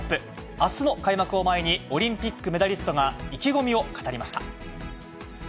あすの開幕を前に、オリンピックメダリストが意気込みを語りました。